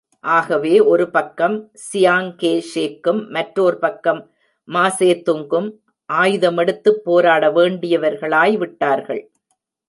ஆகவே ஒரு பக்கம் சியாங் கே ஷேக்கும், மற்றோர் பக்கம் மாசேதுங்கும் ஆயுதமெடுத்துப் போராட வேண்டியவர்களாய் விட்டார்கள்.